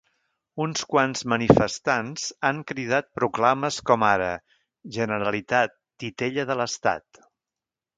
Uns quants manifestants han cridat proclames com ara “Generalitat, titella de l’estat”.